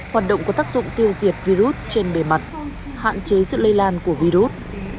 hoạt động có tác dụng tiêu diệt virus trên bề mặt hạn chế sự lây lan của virus